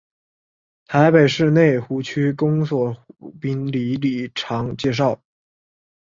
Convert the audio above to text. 台北市内湖区公所湖滨里里长简介